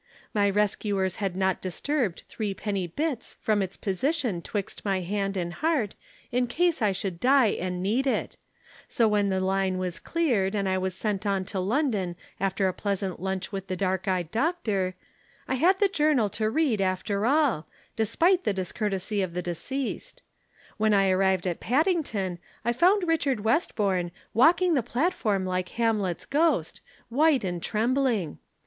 My rescuers had not disturbed Threepenny Bits from its position 'twixt my hand and heart in case I should die and need it; so when the line was cleared and I was sent on to London after a pleasant lunch with the dark eyed doctor, I had the journal to read after all, despite the discourtesy of the deceased. When I arrived at Paddington I found Richard Westbourne walking the platform like Hamlet's ghost, white and trembling.